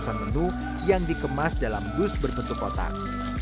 sedang episod sesuai